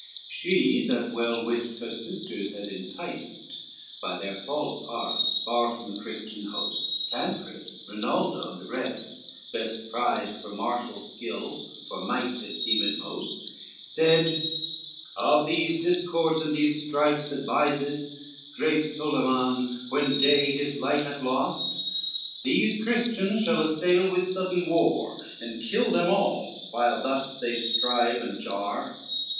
II She, that well wist her sisters had enticed, By their false arts, far from the Christian host, Tancred, Rinaldo, and the rest, best prized For martial skill, for might esteemed most, Said, of these discords and these strifes advised, "Great Solyman, when day his light hath lost, These Christians shall assail with sudden war, And kill them all while thus they strive and jar."